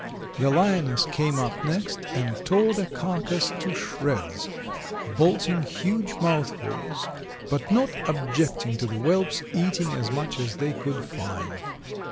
The Lioness came up next and tore the carcass to shreds, bolting huge mouthfuls, but not objecting to the whelps eating as much as they could find.